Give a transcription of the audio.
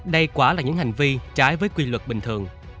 đây quả là những hành vi trái với quy luật bình thường